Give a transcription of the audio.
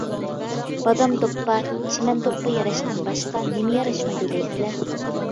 بادام دوپپا، چىمەن دوپپا ياراشقان باشقا نېمە ياراشمايدۇ دەيسىلەر!